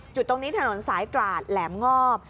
จุดตรงนี้ถนนสายตราดแหลมงอบ